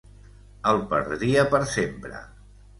El perdria per sempre!